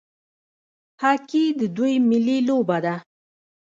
هاکي د دوی ملي لوبه ده.